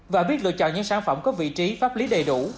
và biết lựa chọn những sản phẩm có vị trí pháp lý đầy đủ